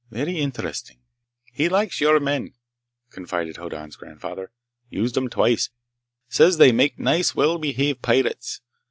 "Very interesting." "He likes your men," confided Hoddan's grandfather. "Used them twice. Says they make nice, well behaved pirates.